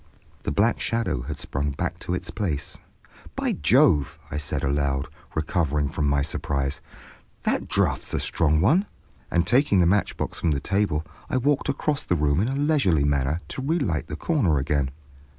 The black shadow had sprung back to its place. "By Jove," said I aloud, recovering from my surprise, "that draft's a strong one;" and taking the matchbox from the table, I walked across the room in a leisurely manner to relight the corner again.